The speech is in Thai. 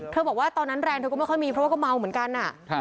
บอกว่าตอนนั้นแรงเธอก็ไม่ค่อยมีเพราะว่าก็เมาเหมือนกัน